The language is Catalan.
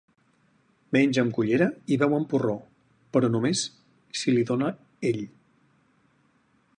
Menja amb cullera i beu amb porró, però només si li dóna ell.